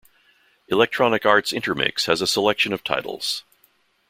Electronic Arts Intermix has a selection of titles.